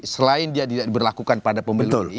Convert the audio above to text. selain dia tidak diberlakukan pada pemilu